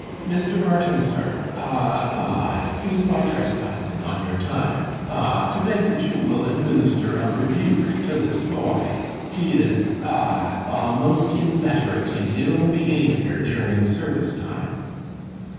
'Mr. Barton, sir aw aw excuse my trespassing on your time aw to beg that you will administer a rebuke to this boy; he is aw aw most inveterate in ill behaviour during service time.